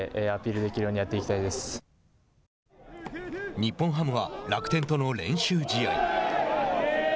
日本ハムは楽天との練習試合。